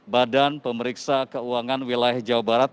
badan pemeriksa keuangan wilayah jawa barat